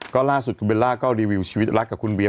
ก็ล่าสุดคุณเบลล่าก็รีวิวชีวิตรักกับคุณเวีย